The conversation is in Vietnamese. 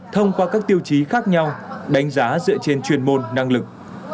thông qua các tiêu chí khác nhau đánh giá dựa trên chuyên môn năng lực